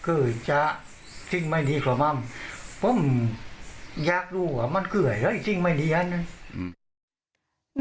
คือจ๊ะจริงไม่ดีขนาดนั้นปุ้มยากดูอ่ะมันเกลือยแล้วจริงไม่ดีอันนั้น